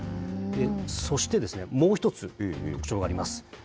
そして、もう一つ特徴があります。